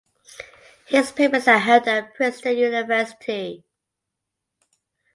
His papers are held at Princeton University.